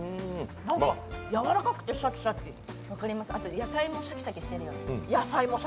なんかやわらかくて、シャキシャキあと野菜もシャキシャキしてるよね。